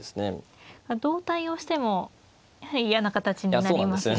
どう対応してもやはり嫌な形になりますよね。